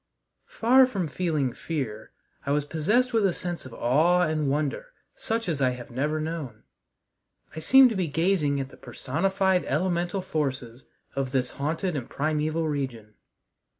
Far from feeling fear, I was possessed with a sense of awe and wonder such as I have never known. I seemed to be gazing at the personified elemental forces of this haunted and primeval region.